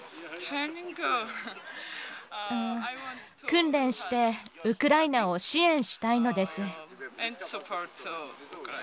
訓練して、ウクライナを支援したいのです。